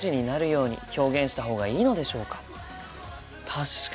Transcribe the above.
確かに。